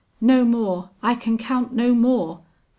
No more! I can count no more!